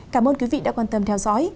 cảm ơn quý vị đã quan tâm theo dõi